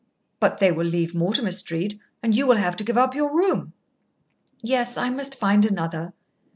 "But they will leave Mortimer Street and you will have to give up your room." "Yes. I must find another."